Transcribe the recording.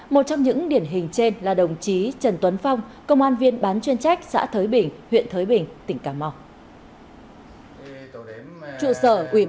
một trong những điển hình trên là đồng chí trần tuấn phong công an viên bán chuyên trách xã thới bình huyện thới bình tỉnh cà mau